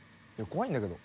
怖いんだけど」